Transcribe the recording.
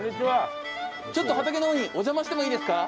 ちょっと畑のほうにお邪魔してもいいですか？